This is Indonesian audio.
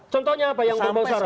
contohnya apa yang berubah sarak